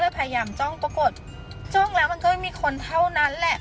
พยายามจ้องปรากฏจ้องแล้วมันก็ไม่มีคนเท่านั้นแหละ